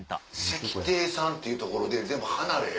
石亭さんっていうところで全部離れ？